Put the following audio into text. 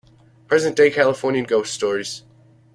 Present-day Californian ghost stories.